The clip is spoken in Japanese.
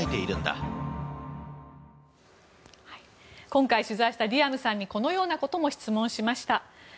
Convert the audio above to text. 今回取材したリアムさんにこのようなことも質問しました。